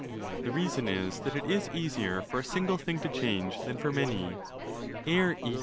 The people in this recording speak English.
The reason is that it is easier for a single thing to change than for many. Air, e.